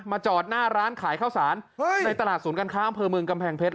จอดหน้าร้านขายข้าวสารในตลาดศูนย์การค้าอำเภอเมืองกำแพงเพชร